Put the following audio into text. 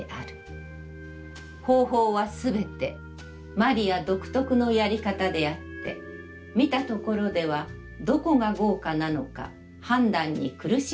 方法はすべて魔利独特の遣り方であって、見たところでは、何処が豪華なのか、判断に苦しむわけである。